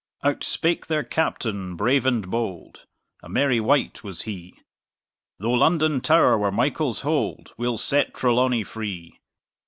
Out spake their Captain brave and bold: A merry wight was he: Though London Tower were Michael's hold, We'll set Trelawny free!